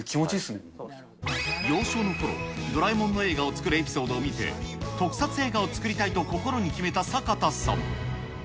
幼少のころ、ドラえもんの映画を作るエピソードを見て、特撮映画を作りたいと心に決めた坂田さん。